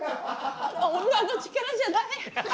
女の力じゃない。